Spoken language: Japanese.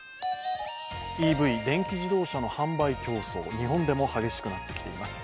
ＥＶ＝電気自動車の販売競争、日本でも激しくなってきています。